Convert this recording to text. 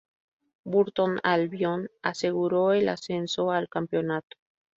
Burton Albion aseguró el ascenso al Campeonato.